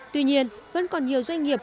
tuy nhiên vẫn còn nhiều doanh nghiệp